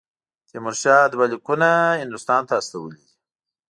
تیمورشاه دوه لیکونه هندوستان ته استولي دي.